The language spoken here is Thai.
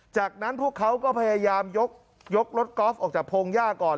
จากนั้นพวกเขาก็พยายามยกรถกอล์ฟออกจากพงหญ้าก่อน